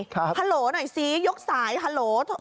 ฮัลโหลหน่อยซิยกสายฮัลโหล